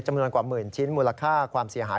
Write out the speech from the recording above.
จำนวนกว่าหมื่นชิ้นมูลค่าความเสียหาย